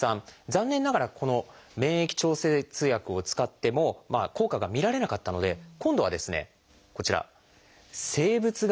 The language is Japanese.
残念ながらこの免疫調節薬を使っても効果が見られなかったので今度はこちら生物学的製剤。